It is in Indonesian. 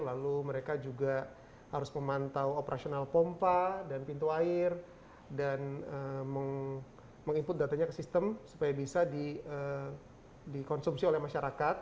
lalu mereka juga harus memantau operasional pompa dan pintu air dan meng input datanya ke sistem supaya bisa dikonsumsi oleh masyarakat